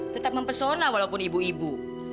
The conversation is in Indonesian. tetap mempesona walaupun ibu ibu